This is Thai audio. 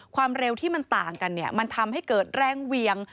ความเร็วที่มันต่างกันเนี่ยมันทำให้เกิดแรงเวียง